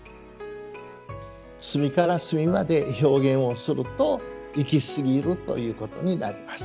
隅から隅まで表現をするといきすぎるということになります。